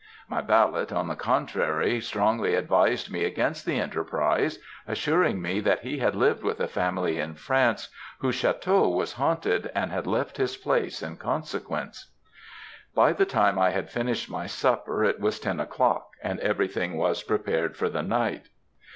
My valet, on the contrary, strongly advised me against the enterprize, assuring me that he had lived with a family in France whose château was haunted, and had left his place in consequence. "By the time I had finished my supper it was ten o'clock, and every thing was prepared for the night.